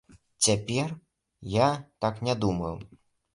Цяпер я так не думаю.